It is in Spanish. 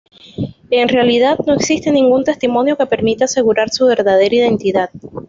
En realidad, no existe ningún testimonio que permita asegurar su verdadera identidad.